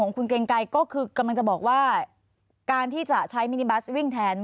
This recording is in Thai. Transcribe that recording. คุณเกรงไกรก็คือกำลังจะบอกว่าการที่จะใช้มินิบัสวิ่งแทน